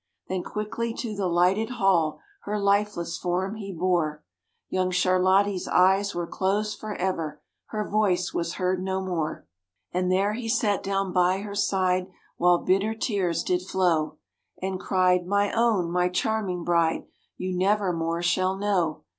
Then quickly to the lighted hall her lifeless form he bore; Young Charlottie's eyes were closed forever, her voice was heard no more. And there he sat down by her side while bitter tears did flow, And cried, "My own, my charming bride, you nevermore shall know."